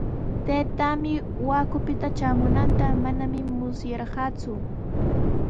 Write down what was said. Taytaami Huacupita traamunanta manami musyarqaaku.